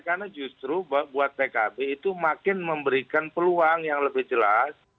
karena justru buat tkb itu makin memberikan peluang yang lebih jelas